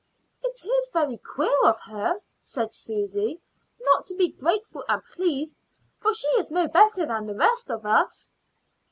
"It is very queer of her," said Susy, "not to be grateful and pleased, for she is no better than the rest of us."